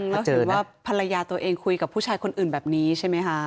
รู้สึกว่าภรรยาตัวเองคุยกับผู้ชายคนอื่นแบบนี้ใช่ไหมคะ